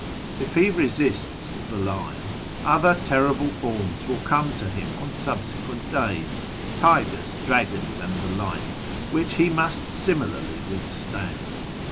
If he resists the lion, other terrible forms will come to him on subsequent days — tigers, dragons, and the like — which he must similarly withstand.